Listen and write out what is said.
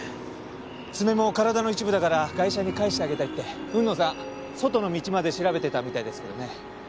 爪も体の一部だからガイシャに返してあげたいって海野さん外の道まで調べてたみたいですけどね。